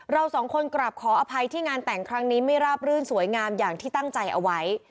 เราสองคนกลับขออภัยที่งานแต่งครั้งนี้ไม่ราบรื่นสวยงามอย่างที่ตั้งใจเอาไว้